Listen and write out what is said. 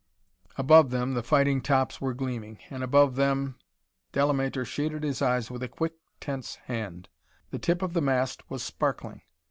Above them the fighting tops were gleaming. And above them Delamater shaded his eyes with a quick, tense hand: the tip of the mast was sparkling.